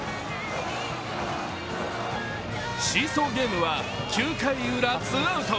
シーソーゲームは９回ウラ、ツーアウト。